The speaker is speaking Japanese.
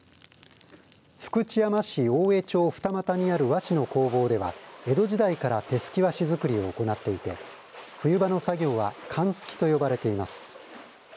福知山市大江町二俣にある和紙の工房では江戸時代から手すき和紙作りを行っていて冬場の作業は寒すきと呼ばれています。